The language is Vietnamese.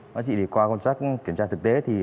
bác chị thì qua công tác kiểm tra thực tế